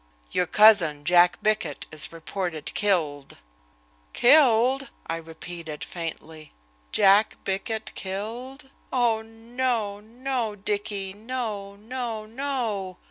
"Your cousin, Jack Bickett, is reported killed." "Killed!" I repeated faintly. "Jack Bickett killed! Oh, no, no, Dicky; no, no, no!"